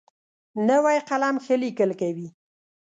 نوی قلم ښه لیکل کوي